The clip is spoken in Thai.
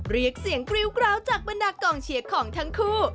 เรียกเสียงกริ้วกร้าวจากบรรดากองเชียร์ของทั้งคู่